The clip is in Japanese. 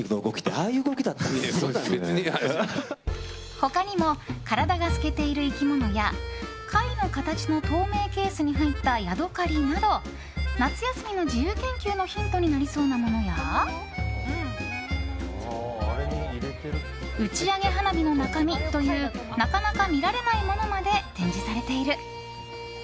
他にも体が透けている生き物や貝の形の透明ケースに入ったヤドカリなど夏休みの自由研究のヒントになりそうなものや打ち上げ花火の中身というなかなか見られないものまで展示されている。